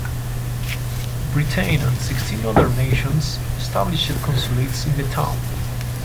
Britain and sixteen other nations established consulates in the town.